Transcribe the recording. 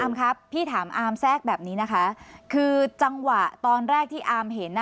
ครับพี่ถามอาร์มแทรกแบบนี้นะคะคือจังหวะตอนแรกที่อามเห็นน่ะ